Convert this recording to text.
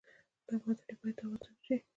دا معادلې باید توازن شي.